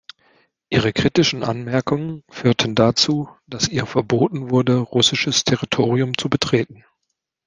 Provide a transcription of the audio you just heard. Ihre kritischen Anmerkungen führten dazu, dass ihr verboten wurde russisches Territorium zu betreten.